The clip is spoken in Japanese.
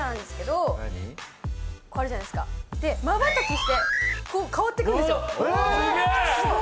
まばたきしてこう変わっていくんですよ。